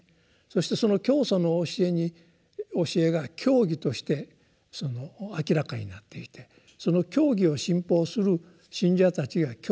そしてその教祖の教えが教義として明らかになっていてその教義を信奉する信者たちが教団というものをつくると。